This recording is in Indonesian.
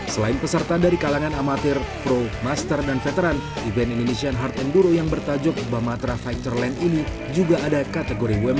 selain peserta dari kalangan amatir pro master dan veteran event indonesian hard enduro yang bertajuk bamatra fighterland ini juga ada kategori women